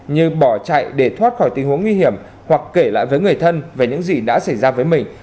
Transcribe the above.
như bỏ chạy để thoát khỏi tình huống nguy hiểm hoặc kể lại với người thân về những gì đã xảy ra với mình